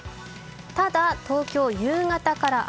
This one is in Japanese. ただ、東京、夕方から雨。